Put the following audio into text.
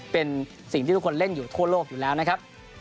เป็นสิ่งที่ทุกคนเล่นอยู่ทั่วโลกอยู่แล้วนะครับ